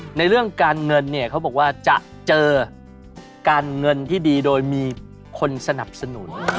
ในเรื่องการเงินเนี่ยเขาบอกว่าจะเจอการเงินที่ดีโดยมีคนสนับสนุน